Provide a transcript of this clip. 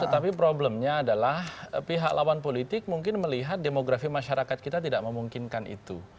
tetapi problemnya adalah pihak lawan politik mungkin melihat demografi masyarakat kita tidak memungkinkan itu